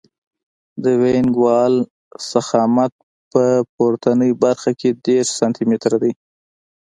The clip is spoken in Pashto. د وینګ وال ضخامت په پورتنۍ برخه کې دېرش سانتي متره وي